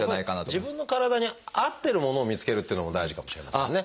自分の体に合ってるものを見つけるというのも大事かもしれませんね。